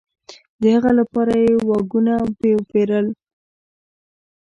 د هغه لپاره یې واګونونه وپېرل.